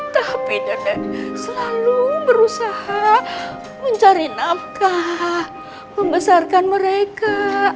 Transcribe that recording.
tapi nenek selalu berusaha mencari nafkah membesarkan mereka